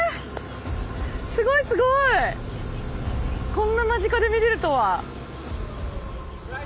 こんな間近で見れるとは。